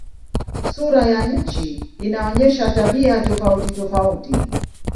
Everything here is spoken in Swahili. Sura ya nchi inaonyesha tabia tofautitofauti.